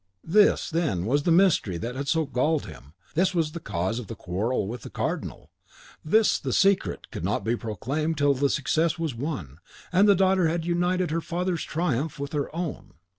This, then, was the mystery that had so galled him, this the cause of the quarrel with the Cardinal; this the secret not to be proclaimed till the success was won, and the daughter had united her father's triumph with her own!